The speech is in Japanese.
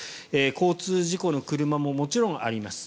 交通事故の車ももちろんあります。